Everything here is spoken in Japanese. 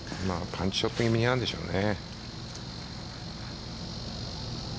パンチショット気味なんでしょうね。